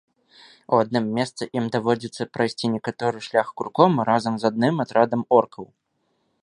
У адным месцы ім даводзіцца прайсці некаторы шлях круком разам з адным атрадам оркаў.